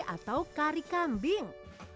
atau kari kambing